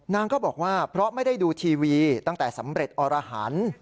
นางก็บอกว่าเพราะไม่ได้ดูทีวีตั้งแต่สำเร็จอรหัน